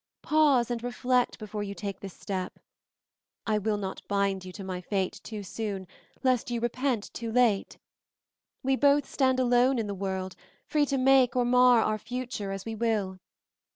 Pause and reflect before you take this step. I will not bind you to my fate too soon lest you repent too late. We both stand alone in the world, free to make or mar our future as we will.